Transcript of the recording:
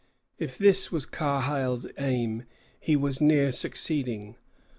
If this was Carheil's aim, he was near succeeding.